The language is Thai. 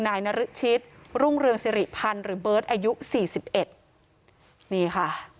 นายนรชิตรุ่งเรืองสิริพันธ์หรือเบิร์ตอายุสี่สิบเอ็ดนี่ค่ะ